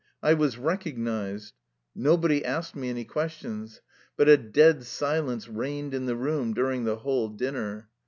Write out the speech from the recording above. I was recognized. Nobody asked me any questions. But a dead si lence reigned in the room during the whole din ner.